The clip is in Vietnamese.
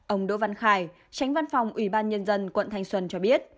ông đỗ văn khải tránh văn phòng ủy ban nhân dân quận thanh xuân cho biết